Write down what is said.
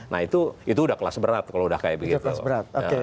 nah itu udah kelas berat kalau udah kayak begitu